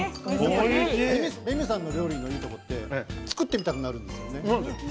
レミさんの料理のいいところって作ってみたくなるんですよね。